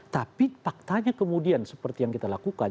tapi faktanya kemudian seperti yang kita lakukan